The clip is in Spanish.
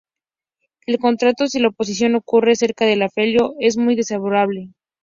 Por el contrario, si la oposición ocurre cerca del afelio, es muy desfavorable.